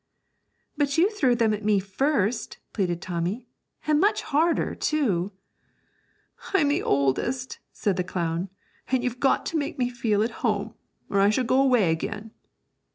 'But you threw them at me first,' pleaded Tommy, 'and much harder, too!' 'I'm the oldest,' said the clown, 'and you've got to make me feel at home, or I shall go away again.'